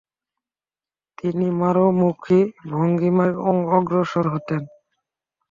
তিনি মারমূখী ভঙ্গীমায় অগ্রসর হতেন।